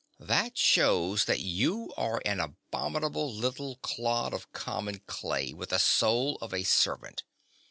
That shews that you are an abominable little clod of common clay, with the soul of a servant.